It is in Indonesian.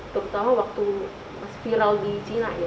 terutama waktu viral di china ya